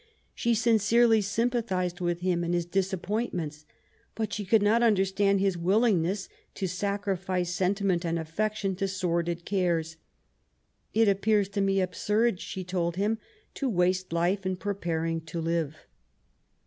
* She sincerely sympathised with him in his disappointments^ but she could not understand his willingness to sacrifice sentiment and affection to sordid cares. " It appears to me absurd," she told him, '*to waste life in preparing to live.